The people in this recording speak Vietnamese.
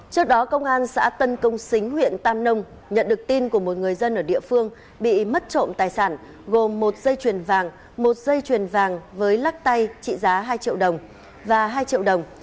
trước đó công an xã tân công xính huyện tam nông nhận được tin của một người dân ở địa phương bị mất trộm tài sản gồm một dây chuyền vàng một dây chuyền vàng với lắc tay trị giá hai triệu đồng và hai triệu đồng